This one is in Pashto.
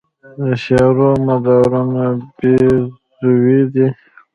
د سیارو مدارونه بیضوي دي.